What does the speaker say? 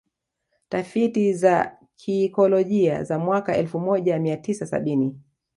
Tafiti za kiikolojia za mwaka elfu moja mia tisa sabini